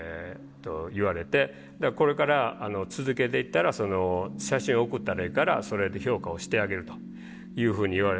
これから続けていったら写真送ったらええからそれで評価をしてあげるというふうに言われて。